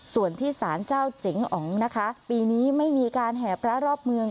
ส่วนที่สารเจ้าเจ๋งอ๋องนะคะปีนี้ไม่มีการแห่พระรอบเมือง